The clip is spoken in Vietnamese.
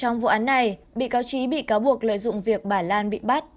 trong vụ án này bị cáo trí bị cáo buộc lợi dụng việc bà lan bị bắt